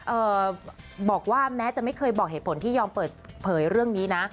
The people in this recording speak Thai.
เอ่อบอกว่าแม้จะไม่เคยบอกเหตุผลที่ยอมเปิดเผยเรื่องนี้นะ